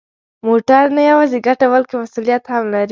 موټر نه یوازې ګټه، بلکه مسؤلیت هم لري.